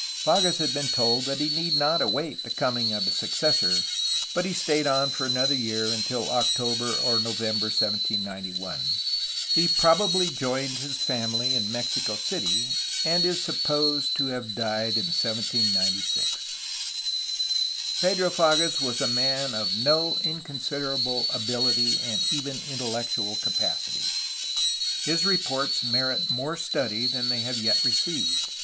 Fages had been told that he need not await the coming of his successor, but he stayed on for another year, until October or November 1791. He probably joined his family in Mexico City, and is supposed to have died in 1796. Pedro Fages was a man of no inconsiderable ability and even intellectual capacity. His reports merit more study than they have yet received.